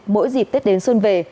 mỗi dịp tết đến xuân về